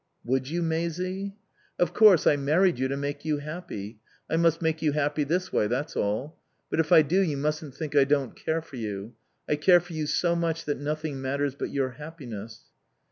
"Would you, Maisie?" "Of course. I married you to make you happy. I must make you happy this way, that's all. But if I do you mustn't think I don't care for you. I care for you so much that nothing matters but your happiness."